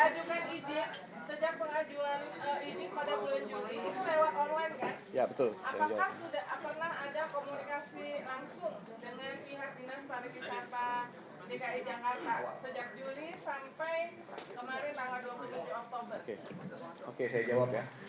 nggak bisa jawab ya